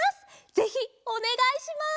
ぜひおねがいします！